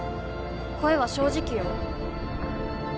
声は正直よ。